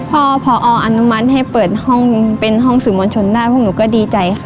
พอพออนุมัติให้เปิดห้องเป็นห้องสื่อมวลชนได้พวกหนูก็ดีใจค่ะ